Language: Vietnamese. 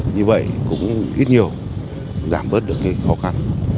như vậy cũng ít nhiều giảm bớt được cái khó khăn